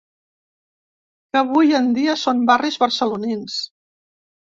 Que avui en dia, són barris barcelonins.